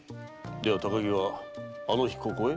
では高木はあの日ここへ？